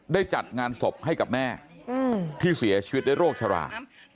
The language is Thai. จัดงานศพให้กับแม่ที่เสียชีวิตด้วยโรคชรา